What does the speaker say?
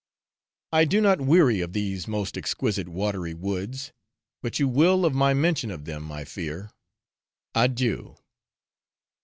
I do not weary of these most exquisite watery woods, but you will of my mention of them, I fear. Adieu.